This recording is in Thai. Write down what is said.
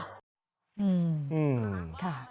อืมค่ะ